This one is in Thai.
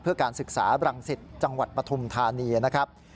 เพื่อการศึกษาบรังสิตจังหวัดปฐุมธานีนะครับ